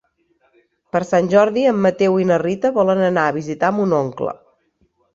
Per Sant Jordi en Mateu i na Rita volen anar a visitar mon oncle.